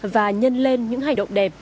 và nhân lên những hành động đẹp